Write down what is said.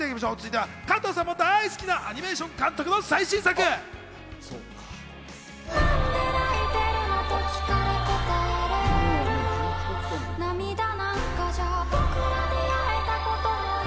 続いては加藤さんも大好きなアニメーション監督の最新作話題。